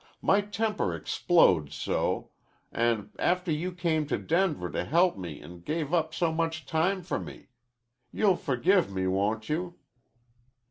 My temper explodes so and after you came to Denver to help me and gave up so much for me. You'll forgive me, won't you?"